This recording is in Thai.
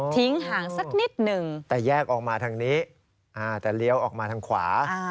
ห่างสักนิดหนึ่งแต่แยกออกมาทางนี้แต่เลี้ยวออกมาทางขวา